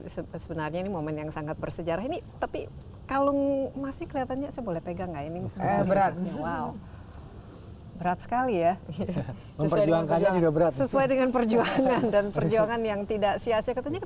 sebenarnya ini momen yang sangat bersejarah ini tapi kalau masih kelihatannya saya boleh pegang nggak ini